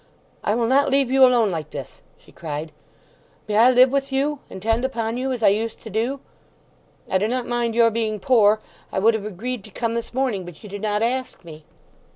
—I will not leave you alone like this!" she cried. "May I live with you, and tend upon you as I used to do? I do not mind your being poor. I would have agreed to come this morning, but you did not ask me."